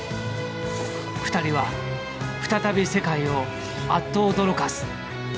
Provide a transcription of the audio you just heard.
２人は再び世界をあっと驚かす。